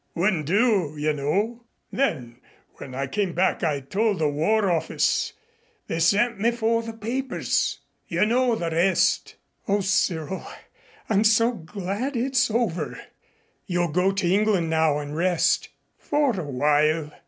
Wouldn't do, you know. Then when I came back I told the War Office. They sent me for the papers. You know the rest." "O Cyril, I'm so glad it's all over. You'll go to England now and rest." "For a while."